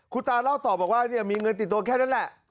คุณตาเล่าต่อบอกว่ามีเงินติดตัวแค่นั้นแหละ